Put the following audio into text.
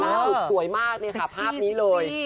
สวยมากเนี่ยค่ะภาพนี้เลย